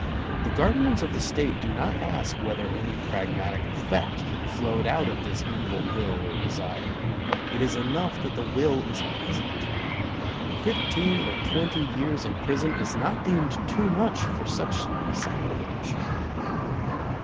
The guardians of the State do not ask whether any pragmatic effect flowed out of this evil will or desire. It is enough that the will is present. Fifteen or twenty years in prison is not deemed too much for such sacrilege.